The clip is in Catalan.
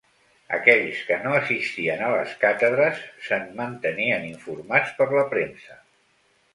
Aquells que no assistien a les càtedres se'n mantenien informats per la premsa.